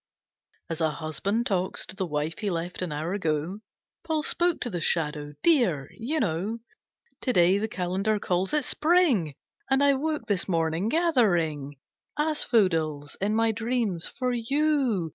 As a husband talks To the wife he left an hour ago, Paul spoke to the Shadow. "Dear, you know To day the calendar calls it Spring, And I woke this morning gathering Asphodels, in my dreams, for you.